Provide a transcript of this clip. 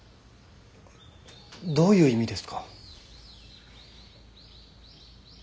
どういう意味ですか？